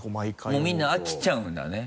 もうみんな飽きちゃうんだね。